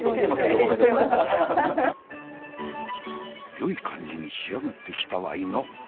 よい感じに仕上がってきたわいの。